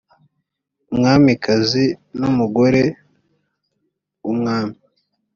umwamikazi n’umugore w’umwami.